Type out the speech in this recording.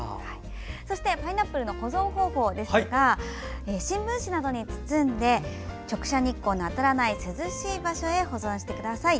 そしてパイナップルの保存方法ですが新聞紙などに包んで直射日光などが当たらない涼しい場所へ保存してください。